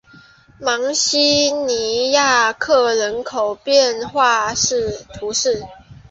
芒西尼亚克人口变化图示